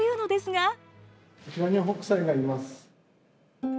こちらに北斎がいます。